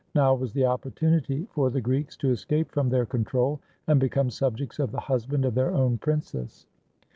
Now was the oppor tunity for the Greeks to escape from their control and become subjects of the husband of their own princess.